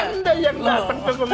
negara tidak boleh sama dengan saya